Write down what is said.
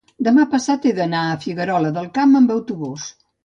demà passat he d'anar a Figuerola del Camp amb autobús.